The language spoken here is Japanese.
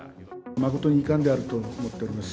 誠に遺憾であると思っています。